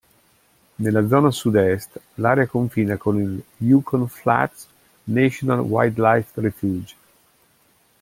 Nella zona sud-est l'area confina con il Yukon Flats National Wildlife Refuge.